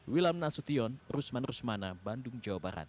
wilam nasution rusman rusmana bandung jawa barat